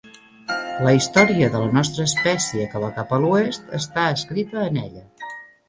La història de la nostra espècie que va cap a l'oest està escrita en ella.